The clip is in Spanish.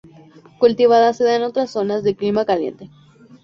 Cultivada se da en otras zonas de clima caliente.